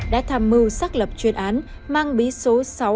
đã tham mưu xác lập chuyên án mang bí số sáu